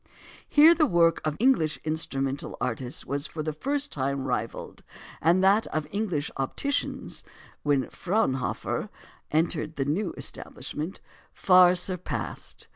Here the work of English instrumental artists was for the first time rivalled, and that of English opticians when Fraunhofer entered the new establishment far surpassed.